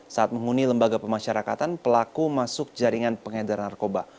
saat menghuni lembaga pemasyarakatan pelaku masuk jaringan pengedar narkoba